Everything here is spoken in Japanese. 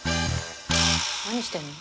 何してんの？